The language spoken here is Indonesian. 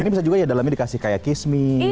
ini bisa juga ya dalamnya dikasih kayak kismi